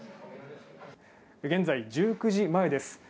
現在１９時前です。